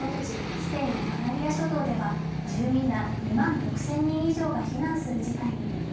スペイン・カナリア諸島では住民ら２万６０００人以上が避難する事態に。